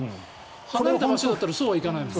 離れた場所だったらそうはいかない。